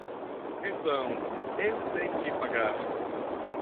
Então ele tem que pagar